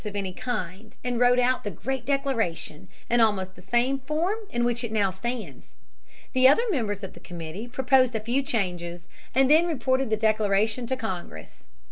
He sat down without book or notes of any kind, and wrote out the Great Declaration in almost the same form in which it now stands. The other members of the committee proposed a few changes, and then reported the declaration to Congress.